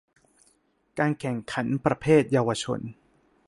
การแข่งขันประเภทเยาวชน